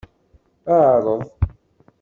Ɛreḍ!